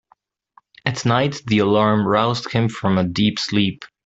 At night the alarm roused him from a deep sleep.